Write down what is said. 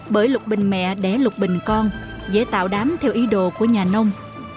bởi lục bình mẹ đẻ lục bình con dễ tạo đám theo ý đồ của nhà nông